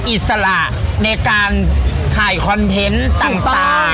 อิสระในการถ่ายคอนเท้นตระ